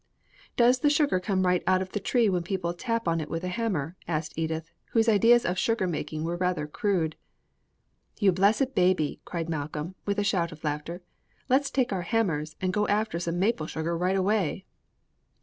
"Does the sugar come right out of the tree when people tap on it with a hammer?" asked Edith, whose ideas of sugar making were rather crude. "You blessed baby!" cried Malcolm, with a shout of laughter. Let's take our hammers and go after some maple sugar right away."